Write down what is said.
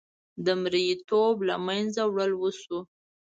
د مریې توب له منځه وړل وشو.